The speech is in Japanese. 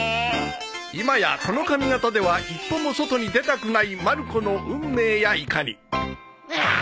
［今やこの髪形では一歩も外に出たくないまる子の運命やいかに］あーっ！